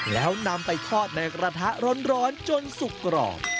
แล้วนำไปทอดในกระทะร้อนจนสุกกรอบ